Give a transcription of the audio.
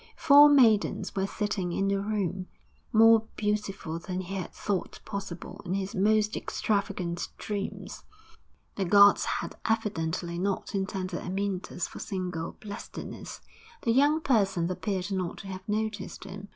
Four maidens were sitting in the room, more beautiful than he had thought possible in his most extravagant dreams. The gods had evidently not intended Amyntas for single blessedness.... The young persons appeared not to have noticed him.